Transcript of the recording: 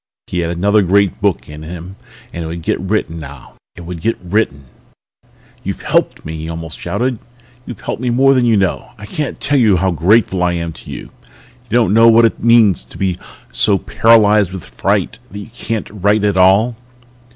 He had another great book in him and it would get written now. It would get written ... "You've helped me!" he almost shouted. "You've helped me more than you know. I can't tell you how grateful I am to you. You don't know what it means to be so paralyzed with fright that you can't write at all!"